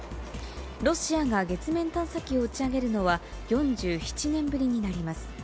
ロシアが月面探査機を打ち上げるのは４７年ぶりになります。